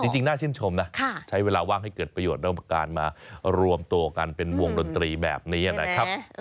จริงน่าชื่นชมนะใช้เวลาว่างให้เกิดประโยชน์เรื่องการมารวมตัวกันเป็นวงดนตรีแบบนี้นะครับ